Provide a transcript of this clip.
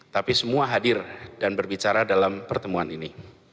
tapi semua hadir dan berbicara dalam pertemuan ini